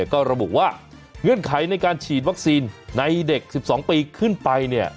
ก็ระบุว่าเงื่อนไขในการฉีดวัคซีนในเด็ก๑๒ปีขึ้นไป